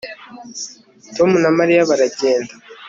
Tom na Mariya baragenda